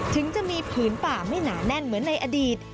ถึงจะมีพื้นป่าไม่หนาแน่นเหมือนไหน